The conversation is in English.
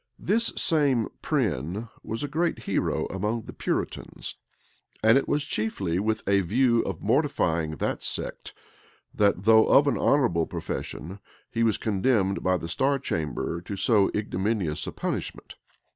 [] This same Prynne was a great hero among the Puritans; and it was chiefly with a view of mortifying that sect, that though of an honorable profession, he was condemned by the star chamber to so ignominious a punishment.